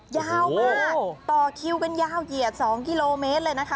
ยาวมากต่อคิวกันยาวเหยียด๒กิโลเมตรเลยนะคะ